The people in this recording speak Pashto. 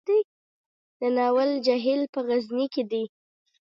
د ناور جهیل په غزني کې دی